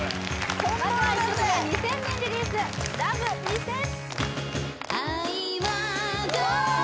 ２０００年リリース「ＬＯＶＥ２０００」